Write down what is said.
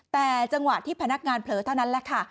แต่จังหวะที่พนักงานเผลอเท่านั้นแหละค่ะ